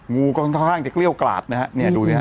งูก็ค่อนข้างจะเกลี้ยวกลาดนะครับ